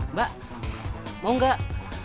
mbak mau gak